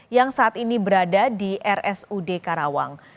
yang saat ini berada di rsud karawang